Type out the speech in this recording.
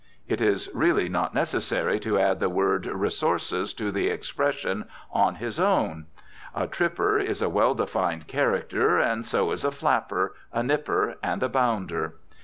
It is really not necessary to add the word "resources" to the expression "on his own." A "tripper" is a well defined character, and so is a "flapper," a "nipper," and a "bounder."